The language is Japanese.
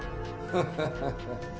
ハハハハッ。